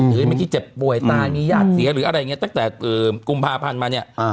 หรือไม่ที่เจ็บป่วยตายมีญาติเสียหรืออะไรเงี้ยตั้งแต่กุมภาพันธุ์มาเนี่ย